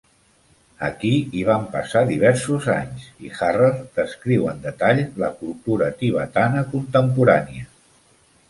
Aquí hi van passar diversos anys, i Harrer descriu en detall la cultura tibetana contemporània.